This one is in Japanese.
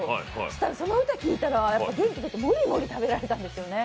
したら、その歌を聴いたら元気出てもりもり食べられたんですね。